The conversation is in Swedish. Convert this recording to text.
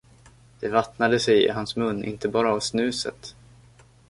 Det vattnade sig i hans mun inte bara av snuset.